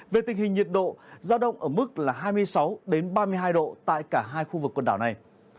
về tình hình nhiệt độ giao động ở mức là hai mươi sáu ba mươi hai độ tại cả hai khu vực quần đảo này